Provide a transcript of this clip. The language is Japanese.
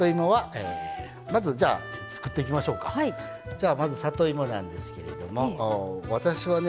じゃあまず里芋なんですけれども私はね